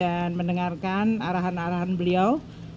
dan mendengarkan arahan arahan beliau